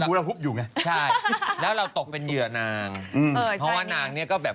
เขาต้องการความกระพืลอย่างนี้เหรอ